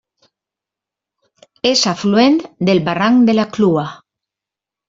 És afluent del barranc de la Clua.